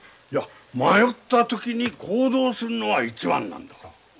いや迷った時に行動するのが一番なんだ。